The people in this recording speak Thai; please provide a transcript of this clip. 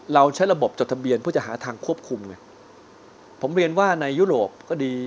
เราใช้ระบบจดทะเบียนเพื่อจะหาทางควบคุมไงผมเรียนว่าในยุโรปก็ดี